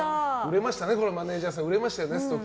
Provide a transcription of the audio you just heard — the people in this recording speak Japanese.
マネジャーさんそれは売れましたよね。